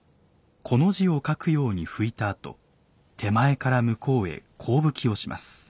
「こ」の字を書くように拭いたあと手前から向こうへ甲拭きをします。